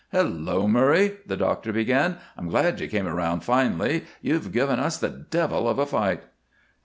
"Hello, Murray!" the doctor began. "I'm glad you came around finally. You've given us the devil of a fight."